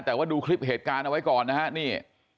แต่ว่าดูคลิปเหตุการณ์เอาไว้ก่อนนะฮะนี่